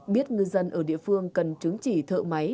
biết ngư dân ở địa phương cần chứng chỉ thợ máy